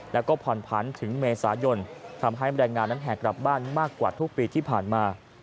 แล้วก็ผ่อนผันถึงเมษายนทำให้แรงงานนั้นแหกกลับบ้านมากกว่าทุกปีที่ผ่านมา